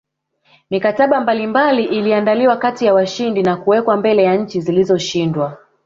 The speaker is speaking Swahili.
Mikataba mbalimbali iliandaliwa kati ya washindi na kuwekwa mbele ya nchi zilizoshindwa